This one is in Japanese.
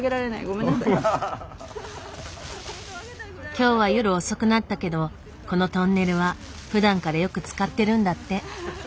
今日は夜遅くなったけどこのトンネルはふだんからよく使ってるんだって。